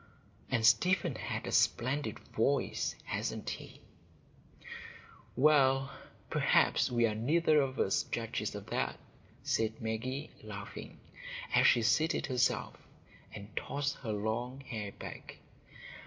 "And Stephen has a splendid voice, hasn't he?" "Well, perhaps we are neither of us judges of that," said Maggie, laughing, as she seated herself and tossed her long hair back.